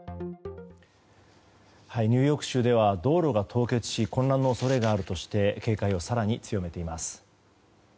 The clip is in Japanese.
ニューヨーク州では道路が凍結し混乱の恐れがあるとして警戒を更に強めています。